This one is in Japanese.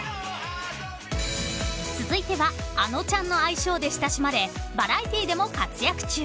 ［続いてはあのちゃんの愛称で親しまれバラエティーでも活躍中。